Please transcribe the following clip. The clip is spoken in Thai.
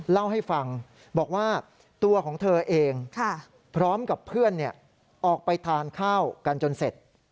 เล่าให้ฟังบอกว่าตัวของเธอเองพร้อมกับเพื่อนออกไปทานข้าวกันจนเสร็จ